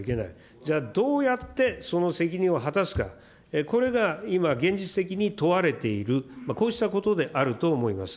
じゃあ、どうやってその責任を果たすか、これが今、現実的に問われている、こうしたことであると思います。